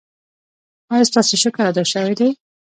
ایا ستاسو شکر ادا شوی دی؟